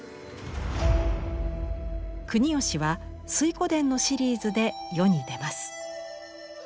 国芳は「水滸伝」のシリーズで世に出ます。